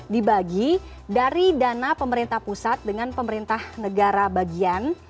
dibagi dari dana pemerintah pusat dengan pemerintah negara bagian